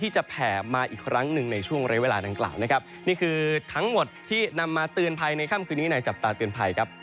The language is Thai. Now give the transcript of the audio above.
ที่จะแผ่มาอีกครั้งหนึ่งในช่วงโรยเวลาดังกราบนะครับ